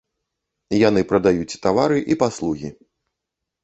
Яны прадаюць тавары і паслугі.